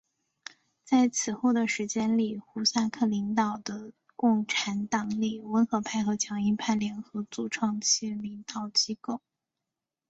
在此后的时间里胡萨克领导的共产党里温和派和强硬派联合组成其领导机构。